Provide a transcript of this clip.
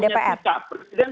karena presiden sudah punya sikap